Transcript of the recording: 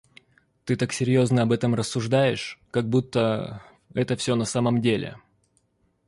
Ты так серьёзно об этом рассуждаешь, как будто это всё на самом деле!